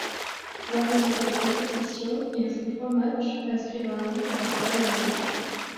Lors de cette compétition, il joue trois matchs, inscrivant un but contre l'Allemagne.